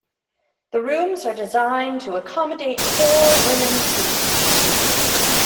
The rooms are designed to accommodate four women each.